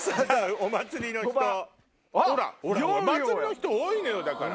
お祭りの人多いのよだから。